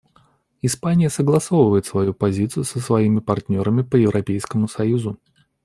Испания согласовывает свою позицию со своими партнерами по Европейскому союзу.